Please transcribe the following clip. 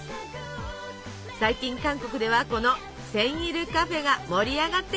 最近韓国ではこの「センイルカフェ」が盛り上がっています。